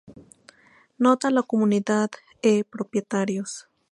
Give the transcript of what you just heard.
Nota a la Comunidad e propietarios